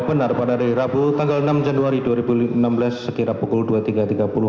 benar pada hari rabu tanggal enam januari dua ribu enam belas sekira pukul dua puluh tiga tiga puluh